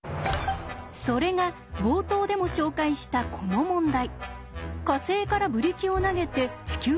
それが冒頭でも紹介したこの問題。